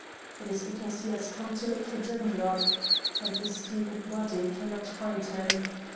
It is because he has come to look for Drimdarroch. And the stupid body cannot find him!